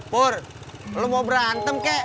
pur lo mau berantem kek